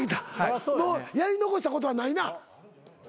もうやり残したことはないな？